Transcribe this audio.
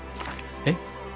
えっ？